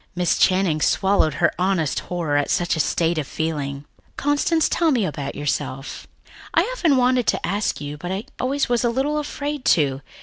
Miss Channing swallowed her honest horror at such a state of feeling. "Constance, tell me about yourself. I've often wanted to ask you, but I was always a little afraid to.